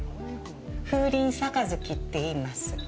風鈴盃っていいます。